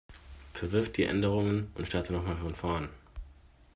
Verwirf die Änderungen und starte noch mal von vorn.